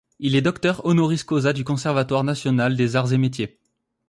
Il est Docteur Honoris Causa du Conservatoire national des arts et métiers.